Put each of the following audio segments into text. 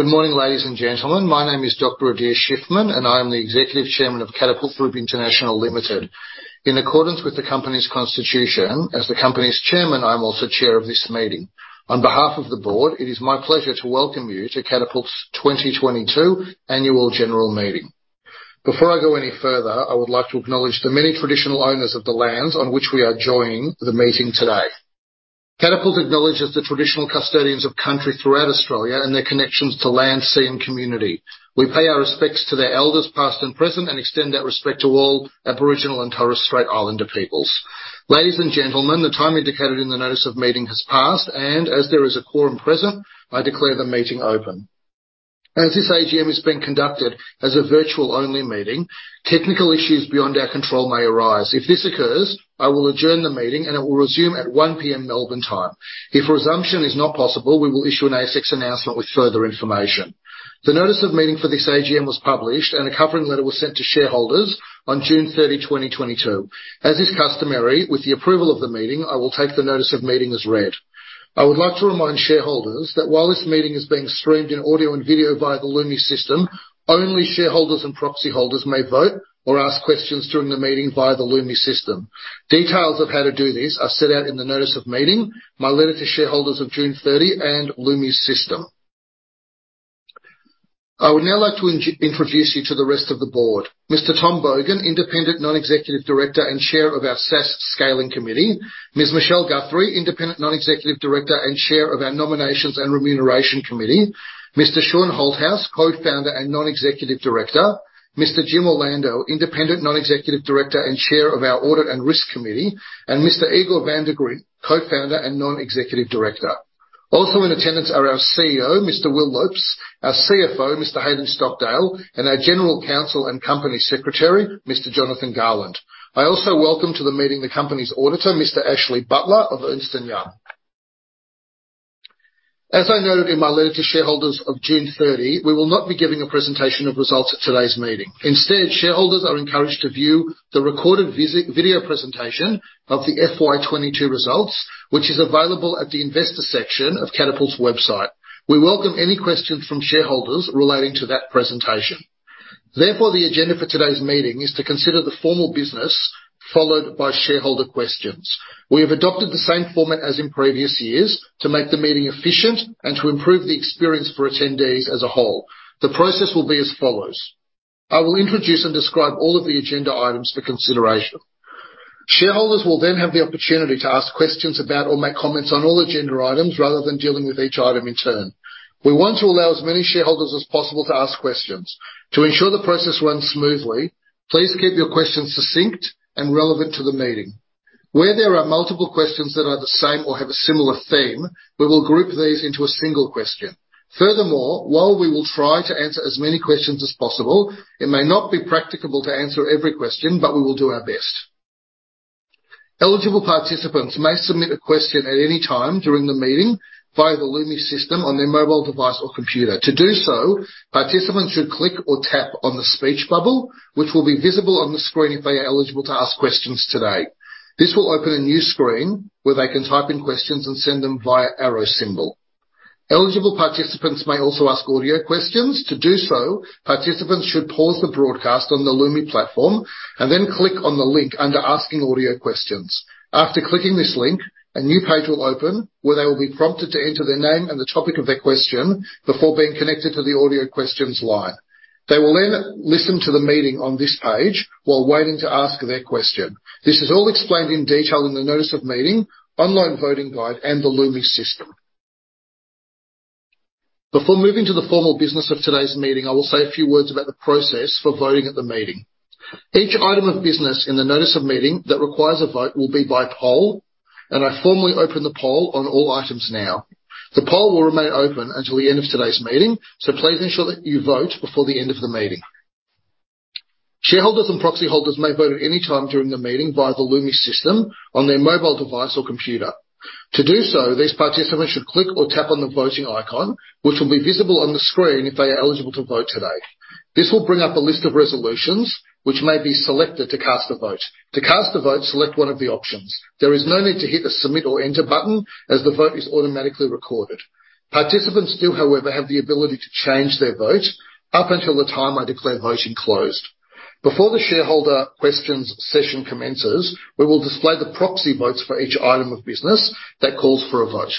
Good morning, ladies and gentlemen. My name is Dr. Adir Shiffman, and I am the executive chairman of Catapult Group International Limited. In accordance with the company's constitution, as the company's chairman, I'm also chair of this meeting. On behalf of the board, it is my pleasure to welcome you to Catapult's 2022 annual general meeting. Before I go any further, I would like to acknowledge the many traditional owners of the lands on which we are joining the meeting today. Catapult acknowledges the traditional custodians of country throughout Australia and their connections to land, sea, and community. We pay our respects to their elders, past and present, and extend that respect to all Aboriginal and Torres Strait Islander peoples. Ladies and gentlemen, the time indicated in the notice of meeting has passed, and as there is a quorum present, I declare the meeting open. As this AGM is being conducted as a virtual-only meeting, technical issues beyond our control may arise. If this occurs, I will adjourn the meeting, and it will resume at 1:00 P.M. Melbourne time. If resumption is not possible, we will issue an ASX announcement with further information. The notice of meeting for this Annual General Meeting was published, and a covering letter was sent to shareholders on June 30th, 2022. As is customary, with the approval of the meeting, I will take the notice of meeting as read. I would like to remind shareholders that while this meeting is being streamed in audio and video via the Lumi system, only shareholders and proxy holders may vote or ask questions during the meeting via the Lumi system. Details of how to do this are set out in the notice of meeting, my letter to shareholders of June 30th, and Lumi system. I would now like to introduce you to the rest of the board. Mr. Tom Bogan, independent non-executive director and chair of our SaaS Scaling Committee. Ms. Michelle Guthrie, independent non-executive director and chair of our Nomination and Remuneration Committee. Mr. Sean Holthouse, co-founder and non-executive director. Mr. Jim Orlando, independent non-executive director and chair of our Audit and Risk Committee, and Mr. Igor van de Griendt, co-founder and non-executive director. Also in attendance are our Chief Executive Officer, Mr. Will Lopes, our Chief Financial Officers, Mr. Hayden Stockdale, and our general counsel and company secretary, Mr. Jonathan Garland. I also welcome to the meeting the company's auditor, Mr. Ashley Butler of Ernst & Young. As I noted in my letter to shareholders of June 30th, we will not be giving a presentation of results at today's meeting. Instead, shareholders are encouraged to view the recorded video presentation of the FY 2022 results, which is available at the investor section of Catapult's website. We welcome any questions from shareholders relating to that presentation. Therefore, the agenda for today's meeting is to consider the formal business followed by shareholder questions. We have adopted the same format as in previous years to make the meeting efficient and to improve the experience for attendees as a whole. The process will be as follows. I will introduce and describe all of the agenda items for consideration. Shareholders will then have the opportunity to ask questions about or make comments on all agenda items rather than dealing with each item in turn. We want to allow as many shareholders as possible to ask questions. To ensure the process runs smoothly, please keep your questions succinct and relevant to the meeting. Where there are multiple questions that are the same or have a similar theme, we will group these into a single question. Furthermore, while we will try to answer as many questions as possible, it may not be practicable to answer every question, but we will do our best. Eligible participants may submit a question at any time during the meeting via the Lumi system on their mobile device or computer. To do so, participants should click or tap on the speech bubble, which will be visible on the screen if they are eligible to ask questions today. This will open a new screen where they can type in questions and send them via arrow symbol. Eligible participants may also ask audio questions. To do so, participants should pause the broadcast on the Lumi platform and then click on the link under asking audio questions. After clicking this link, a new page will open where they will be prompted to enter their name and the topic of their question before being connected to the audio questions line. They will then listen to the meeting on this page while waiting to ask their question. This is all explained in detail in the notice of meeting, online voting guide, and the Lumi system. Before moving to the formal business of today's meeting, I will say a few words about the process for voting at the meeting. Each item of business in the notice of meeting that requires a vote will be by poll, and I formally open the poll on all items now. The poll will remain open until the end of today's meeting, so please ensure that you vote before the end of the meeting. Shareholders and proxy holders may vote at any time during the meeting via the Lumi system on their mobile device or computer. To do so, these participants should click or tap on the voting icon, which will be visible on the screen if they are eligible to vote today. This will bring up a list of resolutions which may be selected to cast a vote. To cast a vote, select one of the options. There is no need to hit the Submit or Enter button, as the vote is automatically recorded. Participants do, however, have the ability to change their vote up until the time I declare voting closed. Before the shareholder questions session commences, we will display the proxy votes for each item of business that calls for a vote.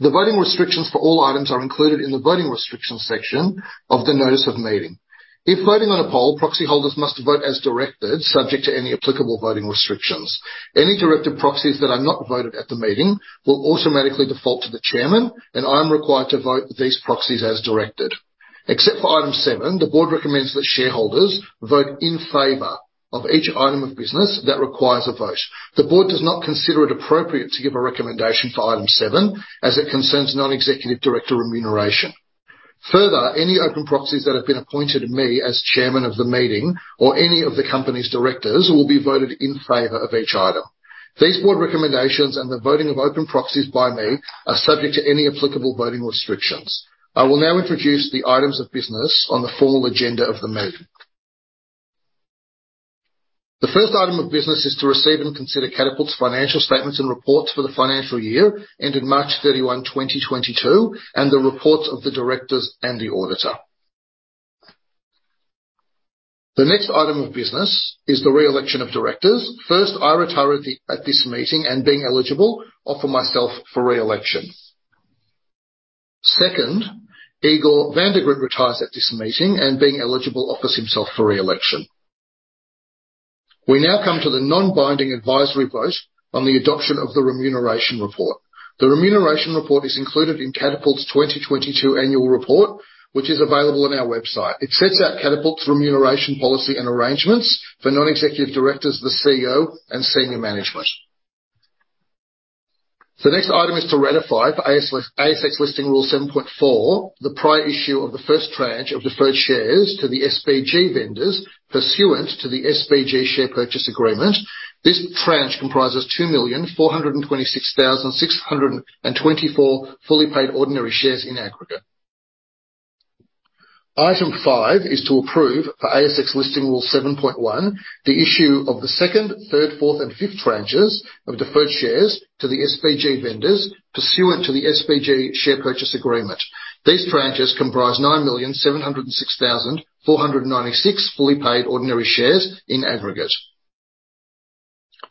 The voting restrictions for all items are included in the voting restrictions section of the notice of meeting. If voting on a poll, proxy holders must vote as directed, subject to any applicable voting restrictions. Any directed proxies that are not voted at the meeting will automatically default to the chairman, and I am required to vote these proxies as directed. Except for item seven, the board recommends that shareholders vote in favor of each item of business that requires a vote. The board does not consider it appropriate to give a recommendation for item seven as it concerns non-executive director remuneration. Further, any open proxies that have been appointed to me as chairman of the meeting or any of the company's directors will be voted in favor of each item. These board recommendations and the voting of open proxies by me are subject to any applicable voting restrictions. I will now introduce the items of business on the formal agenda of the meeting. The first item of business is to receive and consider Catapult's financial statements and reports for the financial year ending March 31st, 2022, and the reports of the directors and the auditor. The next item of business is the re-election of directors. First, I retire at this meeting, and being eligible offer myself for re-election. Second, Igor van de Griendt retires at this meeting, and being eligible offers himself for re-election. We now come to the non-binding advisory vote on the adoption of the remuneration report. The remuneration report is included in Catapult's 2022 annual report, which is available on our website. It sets out Catapult's remuneration policy and arrangements for non-executive directors, the CEO and senior management. The next item is to ratify, for ASX listing rule 7.4, the prior issue of the first tranche of deferred shares to the SBG vendors pursuant to the SBG share purchase agreement. This tranche comprises 2,426,624 fully paid ordinary shares in aggregate. Item five is to approve, for ASX listing rule 7.1, the issue of the second, third, fourth and fifth tranches of deferred shares to the SBG vendors pursuant to the SBG share purchase agreement. These tranches comprise 9,706,496 fully paid ordinary shares in aggregate.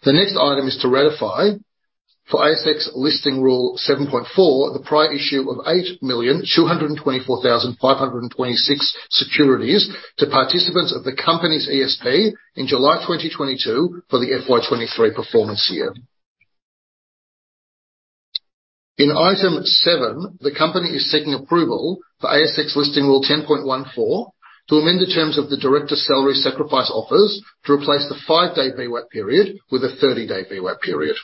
The next item is to ratify for ASX Listing Rule 7.4 the prior issue of 8,224,526 securities to participants of the company's ESP in July 2022 for the FY23 performance year. In Item seven, the company is seeking approval for ASX Listing Rule 10.14 to amend the terms of the director's salary sacrifice offers to replace the five-day VWAP period with a 30-day VWAP period.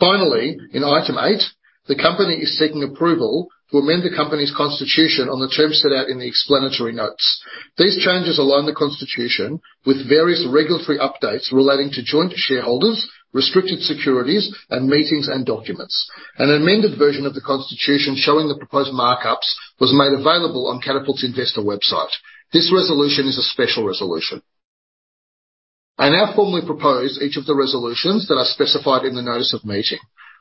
Finally, in Item eight, the company is seeking approval to amend the company's constitution on the terms set out in the explanatory notes. These changes align the constitution with various regulatory updates relating to joint shareholders, restricted securities and meetings and documents. An amended version of the constitution showing the proposed markups was made available on Catapult's investor website. This resolution is a special resolution. I now formally propose each of the resolutions that are specified in the notice of meeting.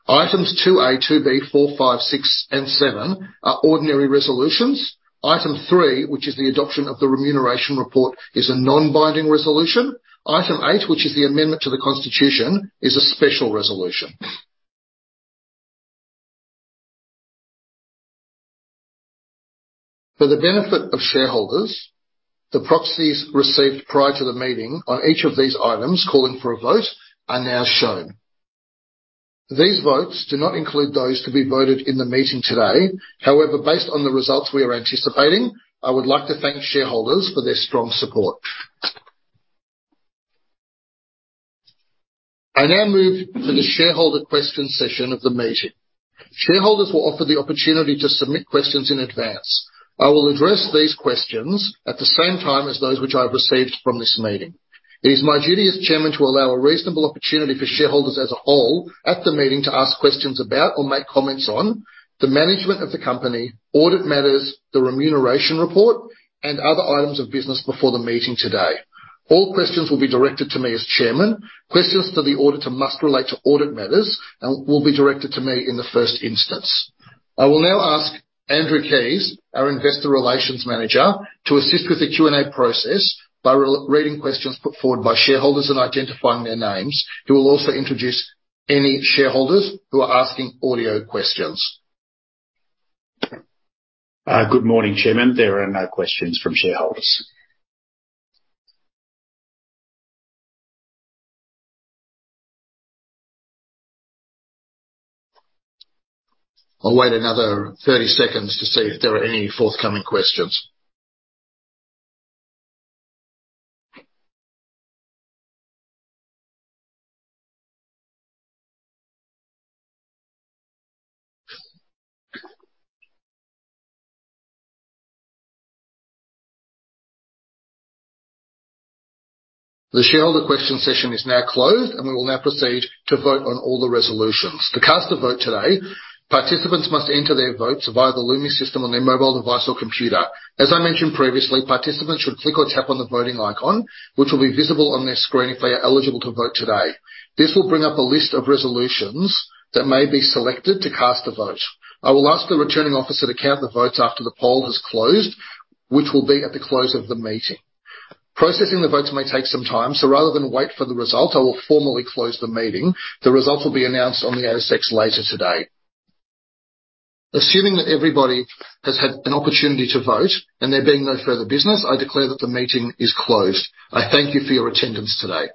Items 2-A, item 2-B, item four, item five, item six and Item seven are ordinary resolutions. Item three, which is the adoption of the remuneration report, is a non-binding resolution. Item eight, which is the amendment to the Constitution, is a special resolution. For the benefit of shareholders, the proxies received prior to the meeting on each of these items calling for a vote are now shown. These votes do not include those to be voted in the meeting today. However, based on the results we are anticipating, I would like to thank shareholders for their strong support. I now move to the shareholder question session of the meeting. Shareholders were offered the opportunity to submit questions in advance. I will address these questions at the same time as those which I have received from this meeting. It is my duty as chairman to allow a reasonable opportunity for shareholders as a whole at the meeting to ask questions about or make comments on the management of the company, audit matters, the remuneration report and other items of business before the meeting today. All questions will be directed to me as chairman. Questions to the auditor must relate to audit matters and will be directed to me in the first instance. I will now ask Andrew Keys, our investor relations manager, to assist with the Q&A process by re-reading questions put forward by shareholders and identifying their names. He will also introduce any shareholders who are asking audio questions. Good morning, Chairman. There are no questions from shareholders. I'll wait another 30 seconds to see if there are any forthcoming questions. The shareholder question session is now closed, and we will now proceed to vote on all the resolutions. To cast a vote today participants must enter their votes via the Lumi system on their mobile device or computer. As I mentioned previously, participants should click or tap on the voting icon, which will be visible on their screen if they are eligible to vote today. This will bring up a list of resolutions that may be selected to cast a vote. I will ask the Returning Officer to count the votes after the poll has closed, which will be at the close of the meeting. Processing the votes may take some time, so rather than wait for the result, I will formally close the meeting. The results will be announced on the ASX later today. Assuming that everybody has had an opportunity to vote and there being no further business, I declare that the meeting is closed. I thank you for your attendance today.